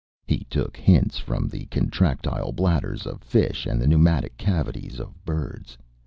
He took hints from the contractile bladders of fish and the pneumatic cavities of birds.